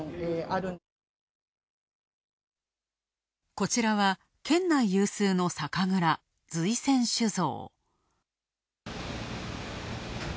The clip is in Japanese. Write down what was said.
こちらは、県内有数の酒蔵、瑞泉酒造。